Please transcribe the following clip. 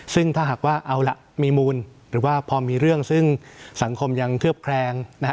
ซึ่งถ้าหากว่าเอาล่ะมีมูลหรือว่าพอมีเรื่องซึ่งสังคมยังเคลือบแคลงนะฮะ